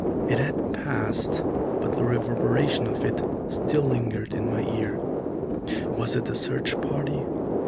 It had passed, but the reverberation of it still lingered in my ear. Was it a search party?